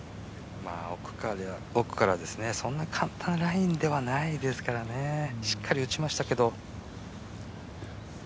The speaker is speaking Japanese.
奥からですね、そんな簡単なラインではないですからね、しっかり打ちましたけど。